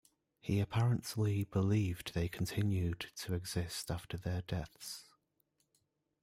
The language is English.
He apparently believed they continued to exist after their deaths.